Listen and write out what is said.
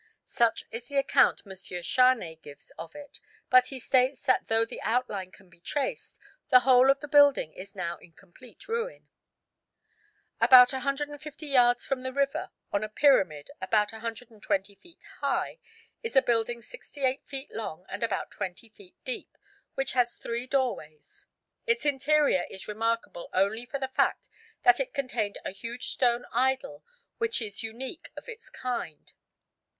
Such is the account M. Charnay gives of it, but he states that though the outline can be traced, the whole of the building is now in complete ruin. About 150 yards from the river on a pyramid about 120 feet high is a building 68 feet long and about 20 feet deep, which has three doorways. Its interior is remarkable only for the fact that it contained a huge stone idol which is unique of its kind.